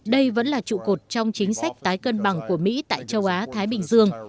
đây vẫn là trụ cột trong chính sách tái cân bằng của mỹ tại châu á thái bình dương